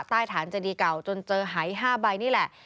ใต้ฐานเจดีเก่าจนเจอหาย๕ใบนี่แหละ